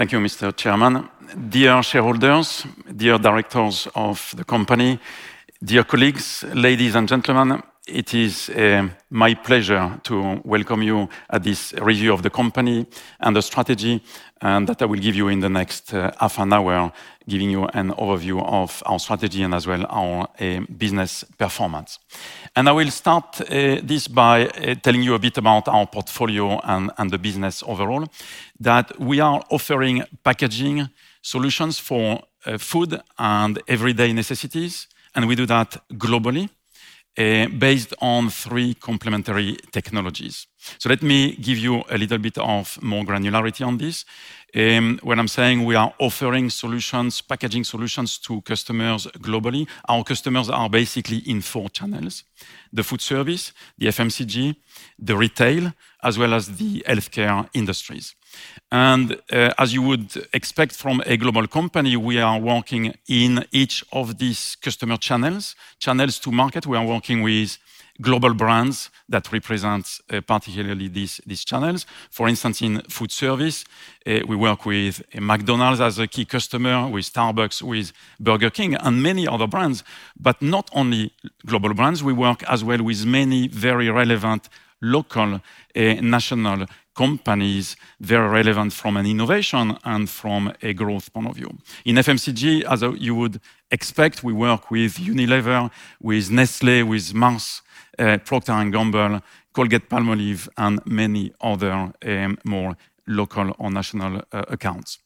Thank you, Mr. Chairman. Dear shareholders, dear directors of the company, dear colleagues, ladies and gentlemen, it is my pleasure to welcome you at this review of the company and the strategy, and that I will give you in the next half an hour, giving you an overview of our strategy and as well our business performance. I will start this by telling you a bit about our portfolio and the business overall, that we are offering packaging solutions for food and everyday necessities, and we do that globally based on three complementary technologies. So let me give you a little bit of more granularity on this. When I'm saying we are offering solutions, packaging solutions to customers globally, our customers are basically in four channels: the food service, the FMCG, the retail, as well as the healthcare industries. As you would expect from a global company, we are working in each of these customer channels, channels to market. We are working with global brands that represents, particularly these, these channels. For instance, in food service, we work with McDonald's as a key customer, with Starbucks, with Burger King, and many other brands, but not only global brands. We work as well with many very relevant local, national companies. Very relevant from an innovation and from a growth point of view. In FMCG, as you would expect, we work with Unilever, with Nestlé, with Mars, Procter & Gamble, Colgate-Palmolive, and many other, more local or national, accounts.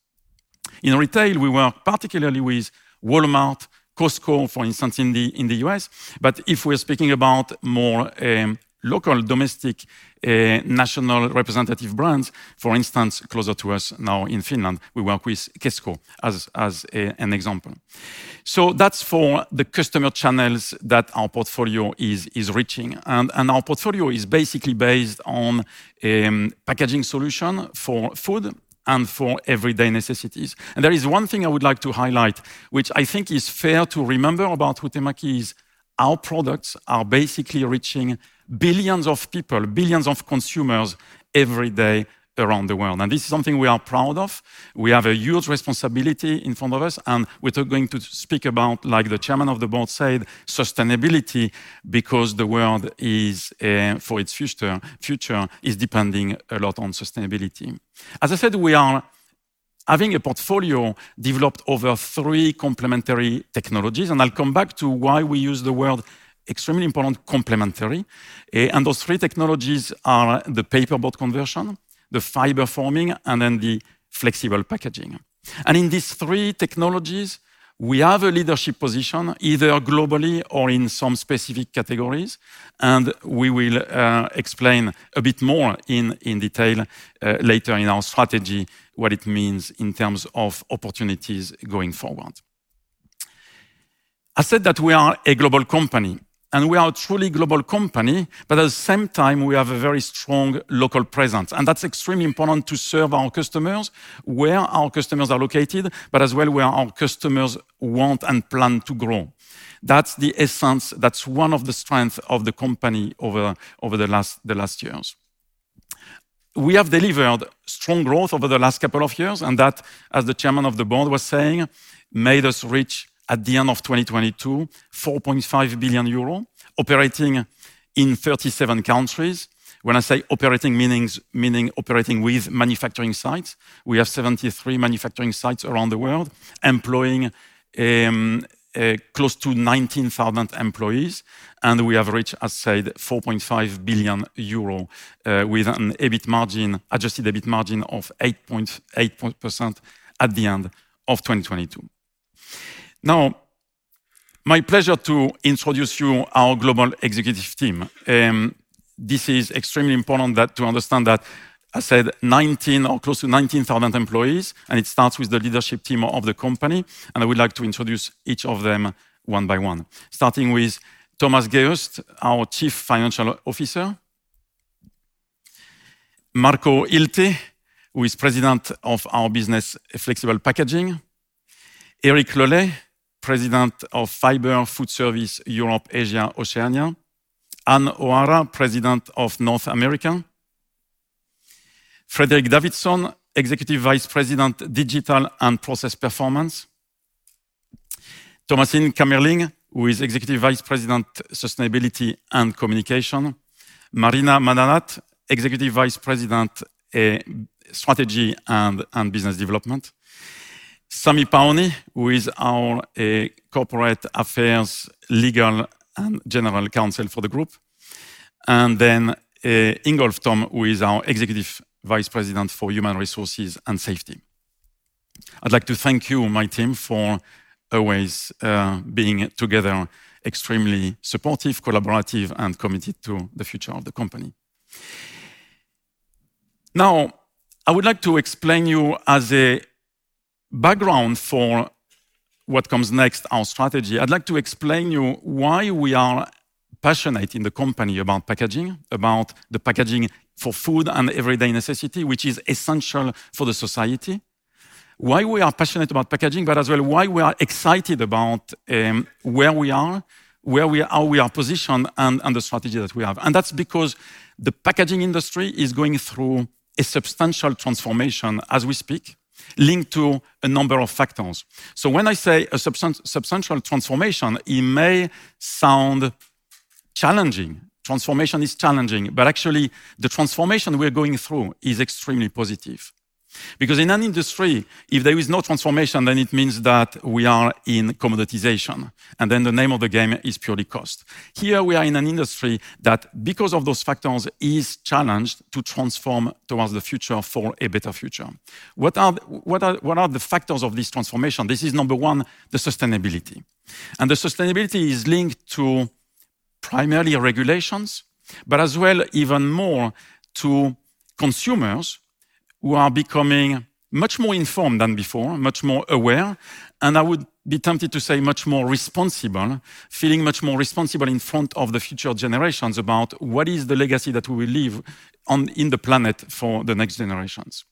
In retail, we work particularly with Walmart, Costco, for instance, in the U.S. But if we're speaking about more local, domestic national representative brands, for instance, closer to us now in Finland, we work with Kesko as an example. So that's for the customer channels that our portfolio is reaching. And our portfolio is basically based on packaging solution for food and for everyday necessities. And there is one thing I would like to highlight, which I think is fair to remember about Huhtamäki: our products are basically reaching billions of people, billions of consumers every day around the world, and this is something we are proud of. We have a huge responsibility in front of us, and we're going to speak about, like the chairman of the board said, sustainability, because the world, for its future, is depending a lot on sustainability. As I said, we are having a portfolio developed over three complementary technologies, and I'll come back to why we use the word, extremely important, complementary. And those three technologies are the paperboard conversion, the fiber forming, and then the flexible packaging. And in these three technologies, we have a leadership position, either globally or in some specific categories, and we will explain a bit more in detail later in our strategy, what it means in terms of opportunities going forward. I said that we are a global company, and we are a truly global company, but at the same time, we have a very strong local presence, and that's extremely important to serve our customers where our customers are located, but as well where our customers want and plan to grow. That's the essence, that's one of the strengths of the company over the last years. We have delivered strong growth over the last couple of years, and that, as the chairman of the board was saying, made us reach, at the end of 2022, 4.5 billion euro, operating in 37 countries. When I say operating, meaning operating with manufacturing sites. We have 73 manufacturing sites around the world, employing close to 19,000 employees, and we have reached, as said, 4.5 billion euro, with an adjusted EBIT margin of 8% at the end of 2022. Now, my pleasure to introduce you our global executive team. This is extremely important that, to understand that I said 19,000 or close to 19,000 employees, and it starts with the leadership team of the company, and I would like to introduce each of them one by one, starting with Thomas Geust, our Chief Financial Officer, Marco Hilty, who is President of our business, Flexible Packaging, Eric Le Lay, President of Fiber Foodservice Europe, Asia, Oceania, Ann O’Hara, President of North America, Fredrik Davidsson, Executive Vice President, Digital and Process Performance, Thomasine Kamerling, who is Executive Vice President, Sustainability and Communications, Marina Madanat, Executive Vice President, Strategy and Business Development, Sami Pauni, who is our Corporate Affairs, Legal and General Counsel for the group, and then Ingolf Thom, who is our Executive Vice President for Human Resources and Safety. I'd like to thank you, my team, for always being together, extremely supportive, collaborative and committed to the future of the company. Now, I would like to explain you, as a background for what comes next, our strategy. I'd like to explain you why we are passionate in the company about packaging, about the packaging for food and everyday necessity, which is essential for the society. Why we are passionate about packaging, but as well, why we are excited about where we are, where we are, how we are positioned, and the strategy that we have. And that's because the packaging industry is going through a substantial transformation as we speak, linked to a number of factors. So when I say a substantial transformation, it may sound challenging. Transformation is challenging, but actually, the transformation we're going through is extremely positive. Because in an industry, if there is no transformation, then it means that we are in commoditization, and then the name of the game is purely cost. Here, we are in an industry that, because of those factors, is challenged to transform towards the future for a better future. What are the factors of this transformation? This is, number one, the sustainability. The sustainability is linked to primarily regulations, but as well, even more to consumers, who are becoming much more informed than before, much more aware, and I would be tempted to say much more responsible, feeling much more responsible in front of the future generations about what is the legacy that we will leave on, in the planet for the next generations.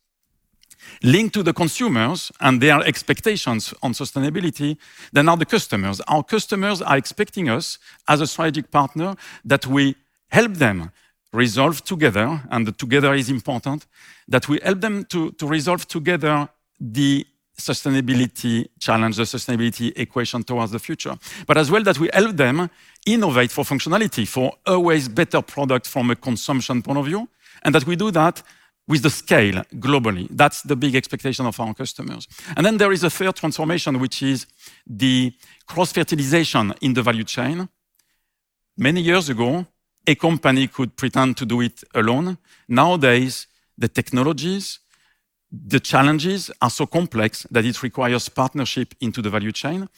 Linked to the consumers and their expectations on sustainability, then are the customers. Our customers are expecting us, as a strategic partner, that we help them resolve together, and together is important, that we help them to resolve together the sustainability challenge, the sustainability equation towards the future. But as well, that we help them innovate for functionality, for always better product from a consumption point of view, and that we do that with the scale, globally. That's the big expectation of our customers. And then there is a third transformation, which is the cross-fertilization in the value chain. Many years ago, a company could pretend to do it alone. Nowadays, the technologies, the challenges are so complex that it requires partnership into the value chain,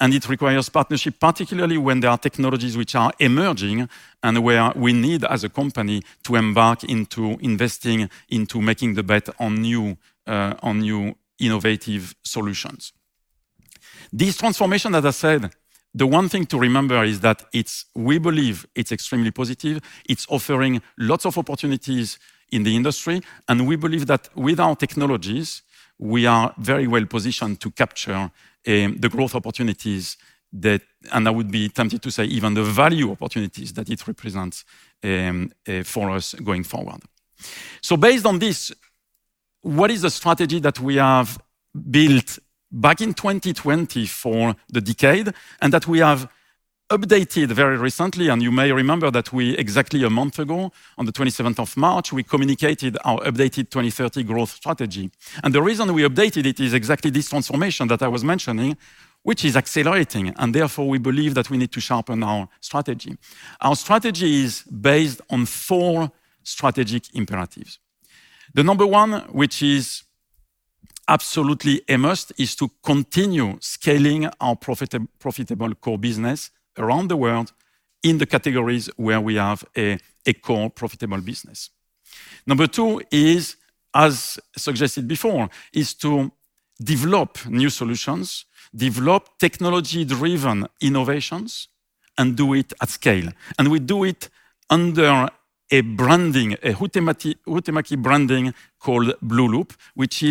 and it requires partnership, particularly when there are technologies which are emerging, and where we need, as a company, to embark into investing, into making the bet on new, on new innovative solutions. This transformation, as I said, the one thing to remember is that it's, we believe, extremely positive. It's offering lots of opportunities in the industry, and we believe that with our technologies, we are very well positioned to capture the growth opportunities, and I would be tempted to say even the value opportunities that it represents for us going forward. So based on this, what is the strategy that we have built back in 2020 for the decade, and that we have updated very recently? You may remember that we, exactly a month ago, on the 27th of March, communicated our updated 2030 growth strategy. The reason we updated it is exactly this transformation that I was mentioning, which is accelerating, and therefore, we believe that we need to sharpen our strategy. Our strategy is based on four strategic imperatives. The number one, which is absolutely a must, is to continue scaling our profitable core business around the world in the categories where we have a core profitable business. Number two, as suggested before, is to develop new solutions, develop technology-driven innovations, and do it at scale. And we do it under a branding, a Huhtamäki branding called blueloop, which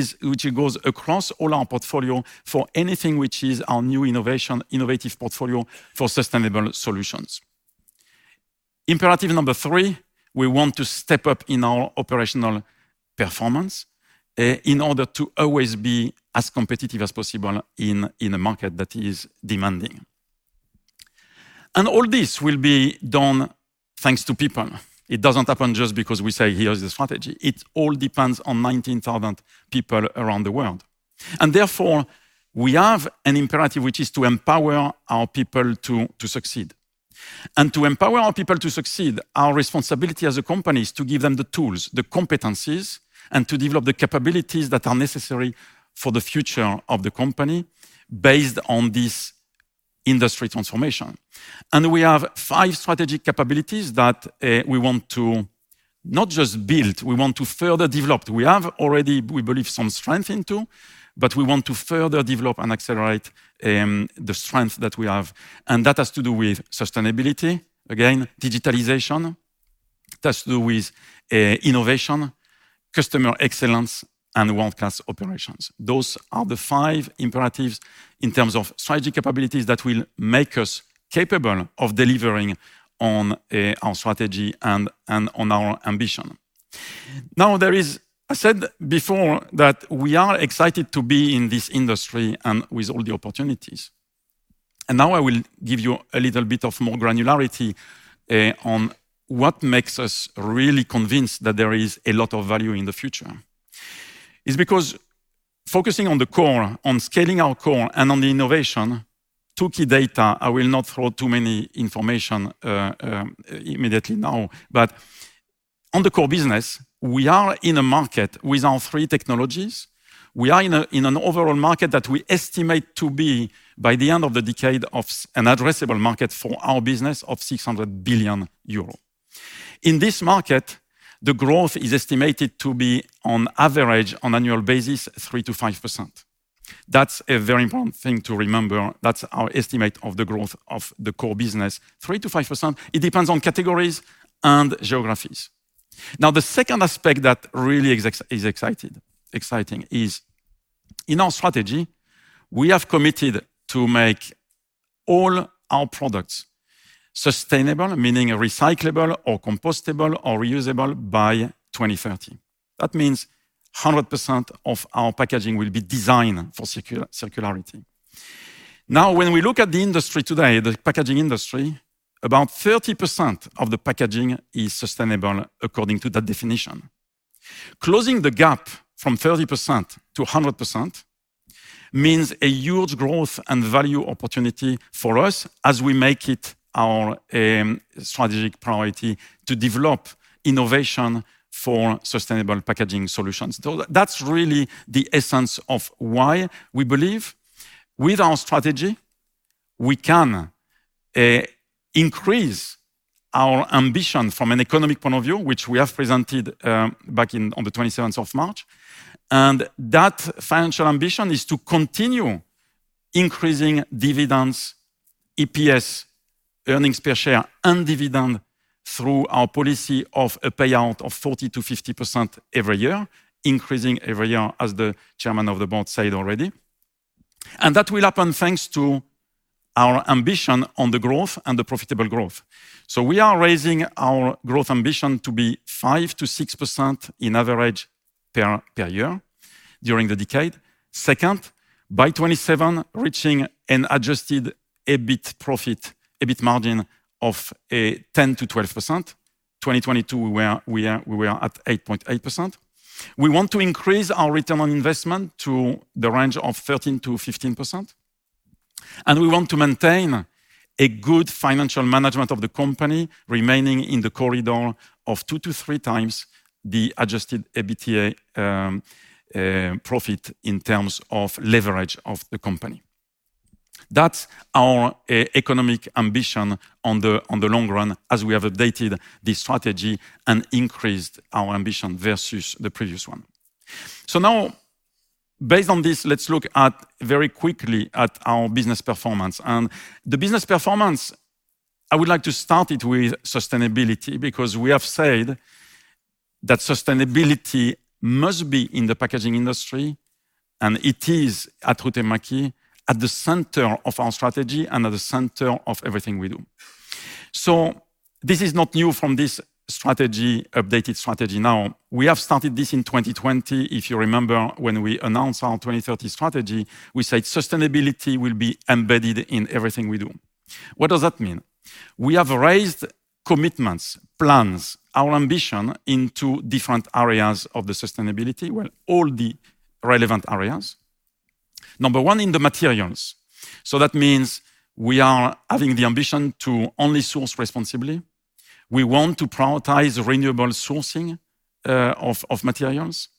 goes across all our portfolio for anything which is our new innovative portfolio for sustainable solutions. Imperative number three, we want to step up in our operational performance in order to always be as competitive as possible in a market that is demanding. And all this will be done thanks to people. It doesn't happen just because we say, "Here is the strategy." It all depends on 19,000 people around the world. And therefore, we have an imperative, which is to empower our people to succeed. And to empower our people to succeed, our responsibility as a company is to give them the tools, the competencies, and to develop the capabilities that are necessary for the future of the company, based on this industry transformation. And we have five strategic capabilities that we want to not just build, we want to further develop. We have already, we believe, some strength into, but we want to further develop and accelerate the strength that we have. And that has to do with sustainability, again, digitalization. It has to do with innovation, customer excellence, and world-class operations. Those are the five imperatives in terms of strategic capabilities that will make us capable of delivering on our strategy and on our ambition. Now, I said before that we are excited to be in this industry and with all the opportunities, and now I will give you a little bit of more granularity on what makes us really convinced that there is a lot of value in the future. It's because focusing on the core, on scaling our core and on the innovation, two key data, I will not throw too many information immediately now. But on the core business, we are in a market with our three technologies. We are in an overall market that we estimate to be, by the end of the decade, of an addressable market for our business of 600 billion euros. In this market, the growth is estimated to be, on average, on annual basis, 3%-5%. That's a very important thing to remember. That's our estimate of the growth of the core business, 3%-5%. It depends on categories and geographies. Now, the second aspect that really is exciting is in our strategy, we have committed to make all our products sustainable, meaning recyclable or compostable or reusable by 2030. That means 100% of our packaging will be designed for circularity. Now, when we look at the industry today, the packaging industry, about 30% of the packaging is sustainable according to that definition. Closing the gap from 30% to 100% means a huge growth and value opportunity for us as we make it our strategic priority to develop innovation for sustainable packaging solutions. So that's really the essence of why we believe, with our strategy, we can increase our ambition from an economic point of view, which we have presented back in on the 27th of March. That financial ambition is to continue increasing dividends, EPS, earnings per share, and dividend through our policy of a payout of 40%-50% every year, increasing every year, as the chairman of the board said already. That will happen thanks to our ambition on the growth and the profitable growth. We are raising our growth ambition to be 5%-6% in average per year during the decade. Second, by 2027, reaching an adjusted EBIT profit, EBIT margin of 10%-12%. 2022, we were at 8.8%. We want to increase our return on investment to the range of 13%-15%, and we want to maintain a good financial management of the company, remaining in the corridor of 2x to 3x the adjusted EBITDA, profit in terms of leverage of the company. That's our economic ambition on the long run, as we have updated this strategy and increased our ambition versus the previous one. So now, based on this, let's look at, very quickly, at our business performance. And the business performance, I would like to start it with sustainability, because we have said that sustainability must be in the packaging industry, and it is, at Huhtamäki, at the center of our strategy and at the center of everything we do. So this is not new from this strategy, updated strategy now. We have started this in 2020. If you remember, when we announced our 2030 strategy, we said sustainability will be embedded in everything we do. What does that mean? We have raised commitments, plans, our ambition into different areas of the sustainability, well, all the relevant areas. Number one, in the materials. So that means we are having the ambition to only source responsibly. We want to prioritize renewable sourcing, of, of materials.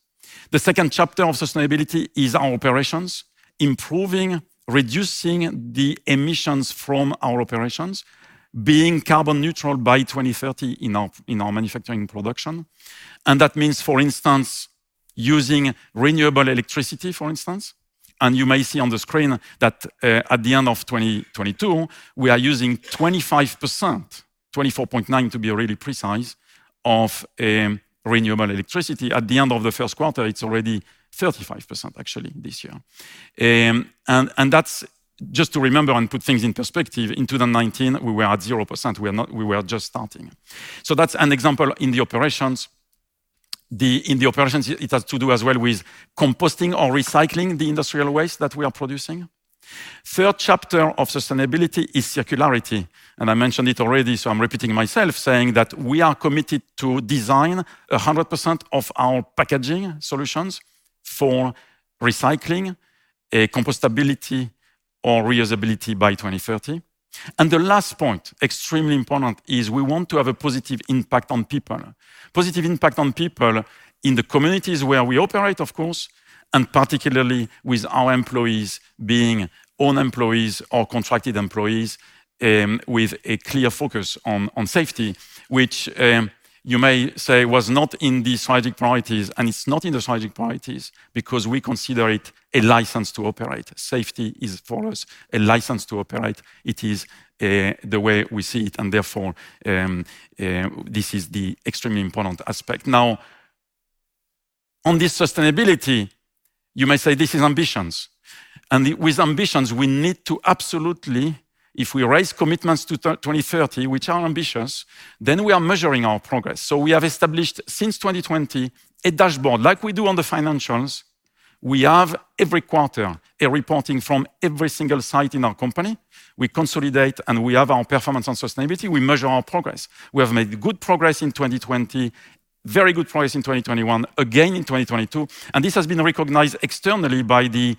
The second chapter of sustainability is our operations, improving, reducing the emissions from our operations, being carbon neutral by 2030 in our, in our manufacturing production. And that means, for instance, using renewable electricity, for instance. And you may see on the screen that, at the end of 2022, we are using 25%, 24.9% to be really precise, of renewable electricity. At the end of the first quarter, it's already 35%, actually, this year. Just to remember and put things in perspective, in 2019, we were at 0%. We were just starting. So that's an example in the operations. In the operations, it has to do as well with composting or recycling the industrial waste that we are producing. Third chapter of sustainability is circularity, and I mentioned it already, so I'm repeating myself, saying that we are committed to design 100% of our packaging solutions for recycling, compostability or reusability by 2030. And the last point, extremely important, is we want to have a positive impact on people. Positive impact on people in the communities where we operate, of course, and particularly with our employees, being own employees or contracted employees, with a clear focus on safety, which, you may say was not in the strategic priorities, and it's not in the strategic priorities because we consider it a license to operate. Safety is, for us, a license to operate. It is, the way we see it, and therefore, this is the extremely important aspect. Now, on this sustainability, you may say this is ambitions. And with ambitions, we need to absolutely, if we raise commitments to 2030, which are ambitious, then we are measuring our progress. So we have established, since 2020, a dashboard, like we do on the financials. We have every quarter a reporting from every single site in our company. We consolidate, and we have our performance on sustainability. We measure our progress. We have made good progress in 2020, very good progress in 2021, again in 2022, and this has been recognized externally by the,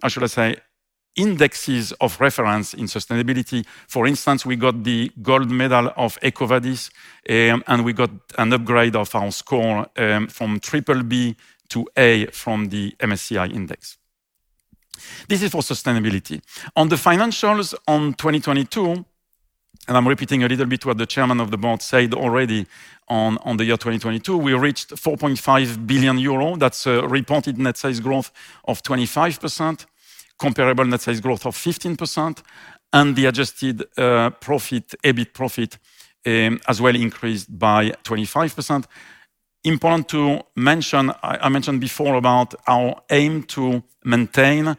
how should I say, indexes of reference in sustainability. For instance, we got the gold medal of EcoVadis, and we got an upgrade of our score, from BBB to A from the MSCI index. This is for sustainability. On the financials on 2022 and I'm repeating a little bit what the chairman of the board said already on, on the year 2022. We reached 4.5 billion euro. That's a reported net sales growth of 25%, comparable net sales growth of 15%, and the adjusted profit, EBIT profit, as well increased by 25%. Important to mention, I mentioned before about our aim to maintain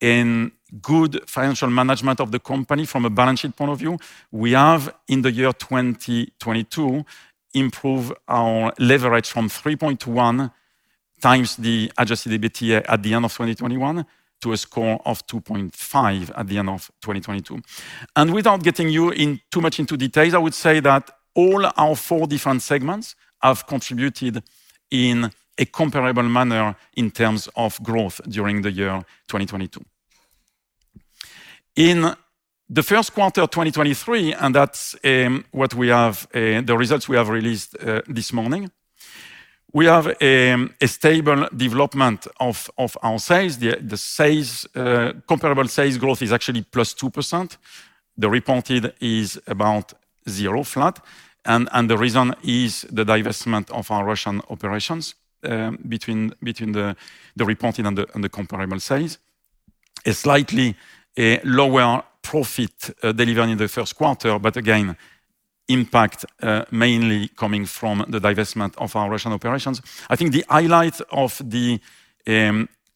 in good financial management of the company from a balance sheet point of view. We have, in the year 2022, improved our leverage from 3.1x the adjusted EBITDA at the end of 2021, to a score of 2.5x at the end of 2022. Without getting you in too much into details, I would say that all our four different segments have contributed in a comparable manner in terms of growth during the year 2022. In the first quarter of 2023, and that's what we have, the results we have released this morning, we have a stable development of our sales. The comparable sales growth is actually +2%. The reported is about zero, flat, and the reason is the divestment of our Russian operations between the reported and the comparable sales. A slightly lower profit delivered in the first quarter, but again, impact mainly coming from the divestment of our Russian operations. I think the highlight of the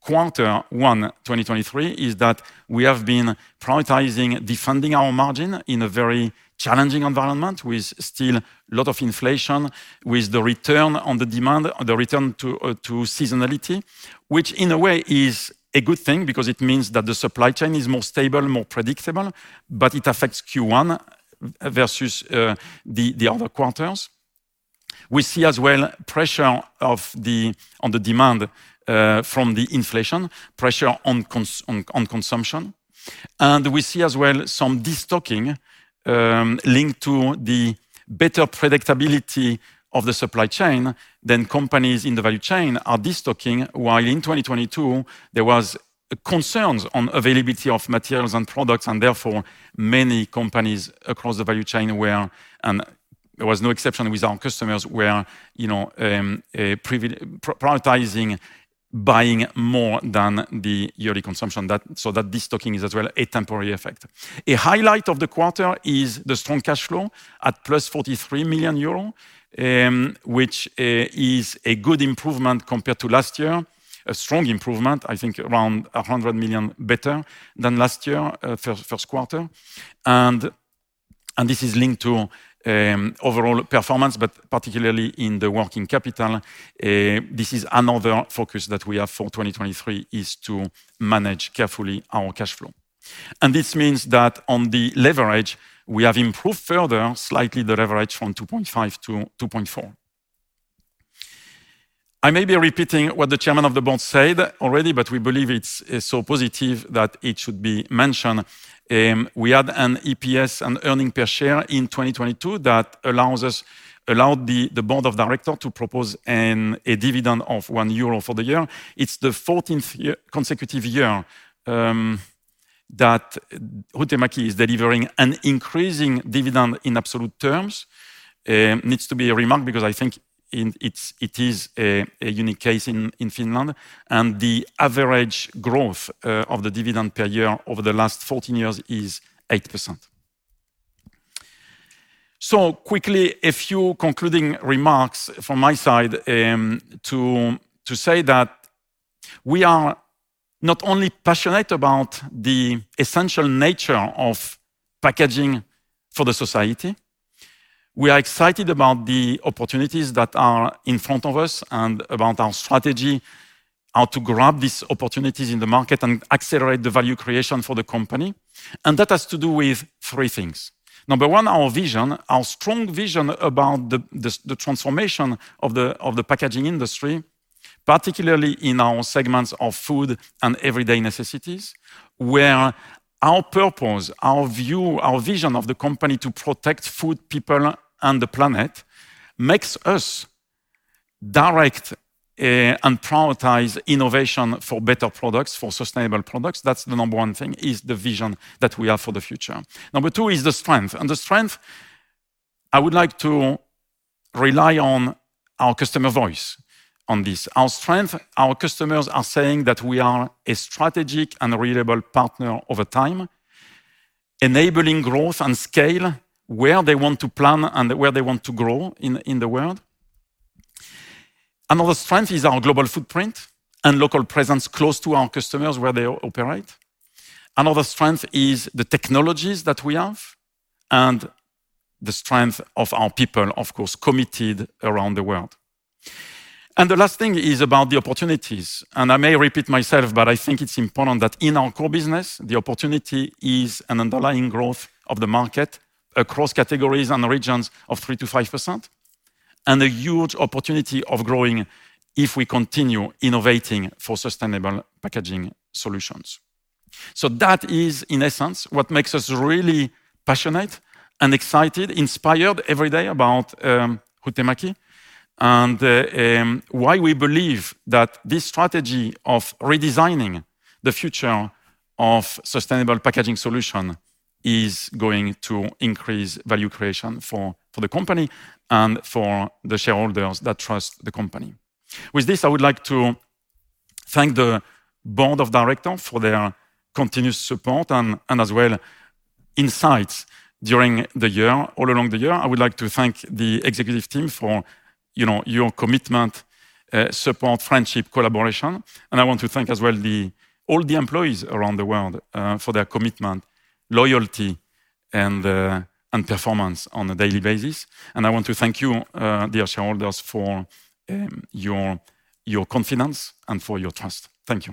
quarter one, 2023, is that we have been prioritizing defending our margin in a very challenging environment, with still a lot of inflation, with the return on the demand, the return to seasonality, which in a way is a good thing because it means that the supply chain is more stable, more predictable, but it affects Q1 versus the other quarters. We see as well pressure on the demand from the inflation, pressure on consumption, and we see as well some de-stocking linked to the better predictability of the supply chain than companies in the value chain are de-stocking, while in 2022, there was concerns on availability of materials and products, and therefore, many companies across the value chain were, there was no exception with our customers, were, you know, prioritizing buying more than the yearly consumption. That, so that de-stocking is as well a temporary effect. A highlight of the quarter is the strong cash flow at +43 million euros, which is a good improvement compared to last year. A strong improvement, I think around 100 million better than last year, first quarter. This is linked to overall performance, but particularly in the working capital, this is another focus that we have for 2023, is to manage carefully our cash flow. And this means that on the leverage, we have improved further, slightly, the leverage from 2.5 to 2.4. I may be repeating what the chairman of the board said already, but we believe it's so positive that it should be mentioned. We had an EPS, earnings per share, in 2022 that allowed the Board of Directors to propose a dividend of 1 euro for the year. It's the 14th consecutive year that Huhtamäki is delivering an increasing dividend in absolute terms. Needs to be remarked, because I think it is a unique case in Finland, and the average growth of the dividend per year over the last 14 years is 8%. So quickly, a few concluding remarks from my side, to say that we are not only passionate about the essential nature of packaging for the society, we are excited about the opportunities that are in front of us and about our strategy, how to grab these opportunities in the market and accelerate the value creation for the company. And that has to do with three things. Number one, our vision, our strong vision about the transformation of the packaging industry, particularly in our segments of food and everyday necessities, where our purpose, our view, our vision of the company to protect food, people, and the planet, makes us direct and prioritize innovation for better products, for sustainable products. That's the number one thing, is the vision that we have for the future. Number two is the strength, and the strength I would like to rely on our customer voice on this. Our strength, our customers are saying that we are a strategic and reliable partner over time, enabling growth and scale where they want to plan and where they want to grow in the world. Another strength is our global footprint and local presence close to our customers where they operate. Another strength is the technologies that we have, and the strength of our people, of course, committed around the world. And the last thing is about the opportunities, and I may repeat myself, but I think it's important that in our core business, the opportunity is an underlying growth of the market across categories and regions of 3%-5%, and a huge opportunity of growing if we continue innovating for sustainable packaging solutions. So that is, in essence, what makes us really passionate and excited, inspired every day about Huhtamäki, and why we believe that this strategy of redesigning the future of sustainable packaging solution is going to increase value creation for the company and for the shareholders that trust the company. With this, I would like to thank the Board of Directors for their continuous support and as well, insights during the year, all along the year. I would like to thank the executive team for, you know, your commitment, support, friendship, collaboration, and I want to thank as well, the, all the employees around the world, for their commitment, loyalty, and performance on a daily basis. And I want to thank you, dear shareholders, for, your, your confidence and for your trust. Thank you.